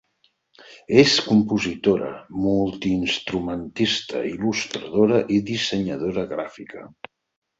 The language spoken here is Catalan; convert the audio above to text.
És compositora, multiinstrumentista, il·lustradora i dissenyadora gràfica.